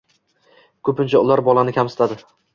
ko‘pincha ular bolani kamsitadi